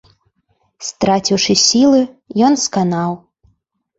Страціўшы сілы, ён сканаў.